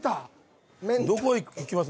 どこ行きます？